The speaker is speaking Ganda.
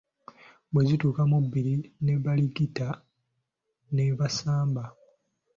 Bwe zituuka mu bbiri ne baligita ne basamba.